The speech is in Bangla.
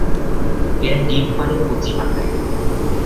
এরা ডিম পাড়ে কচি পাতায়।